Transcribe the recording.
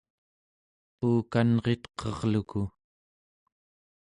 puukanritqerluku